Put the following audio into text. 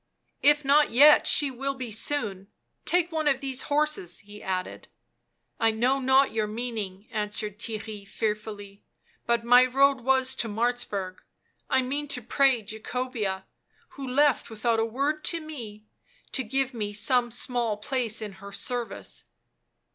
" If not yet, she will be soon ; take one of these horses," he added. " I know not your meaning," answered Theirry fear fully; "but my road was to Martzburg. I mean to pray Jacobea, who left without a word to me, to give me some small place in her service."